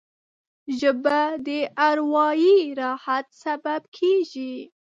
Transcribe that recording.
ژبه د اروايي راحت سبب کېږي